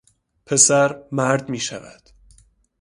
پسر مرد میشود